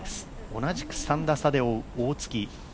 同じく３打差で追う、大槻。